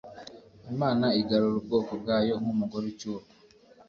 imana igarura ubwoko bwayo nk umugore ucyurwa